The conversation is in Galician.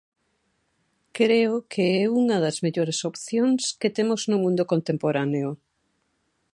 Creo que é unha das mellores opcións que temos no mundo contemporáneo.